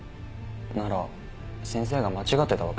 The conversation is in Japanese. なら先生が間違ってたわけですね。